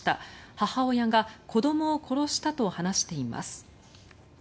母親が子どもを殺したと話しています。